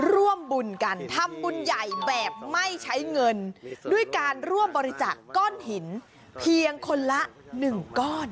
ร่วมบุญกันทำบุญใหญ่แบบไม่ใช้เงินด้วยการร่วมบริจาคก้อนหินเพียงคนละ๑ก้อน